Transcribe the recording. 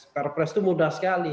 perpres itu mudah sekali